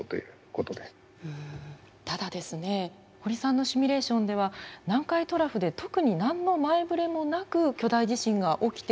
ただですね堀さんのシミュレーションでは南海トラフで特に何の前ぶれもなく巨大地震が起きてしまうパターンもあるということですね。